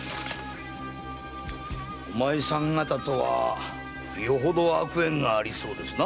お前さん方とはよほど悪縁がありそうですな。